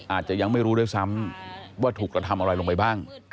อาจจะยังไม่รู้ด้วยซ้ำว่าถูกกระทำอะไรลงไปบ้าง